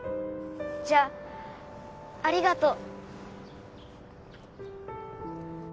じゃありがとう